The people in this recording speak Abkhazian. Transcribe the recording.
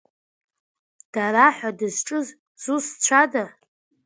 Дара ҳәа дызҿыз зусҭцәада?